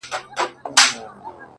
• هیلۍ وویل کشپه یوه چار سته ,